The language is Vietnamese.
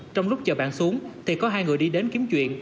trong lúc chờ bạn xuống thì có hai người đi đến kiếm chuyện